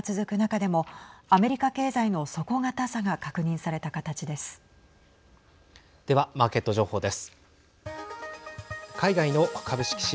ではマーケット情報です。